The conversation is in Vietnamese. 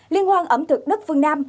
liên hoan ẩm thực đất phương nam